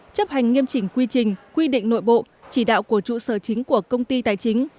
chấp hành nghiêm chỉnh quy trình quy định nội bộ chỉ đạo của trụ sở chính của công ty tài chính